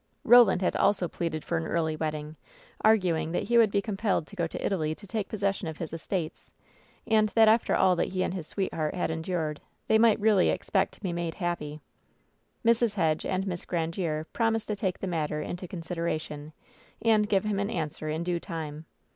Roland had also pleaded for an early wedding, argu ing that he would be compelled to go to Italy to take possession of his estates, and that after all that he and his sweetheart had endured, they might really expect to be made happy. Mrs. Hedge and Miss Grandiere promised to take the matter into consideration, and give him an answer in due time.